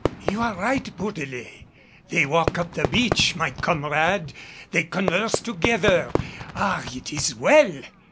"You are right, Bourdelais. They walk up the beach, my comrade! They converse together. Ah! it is well."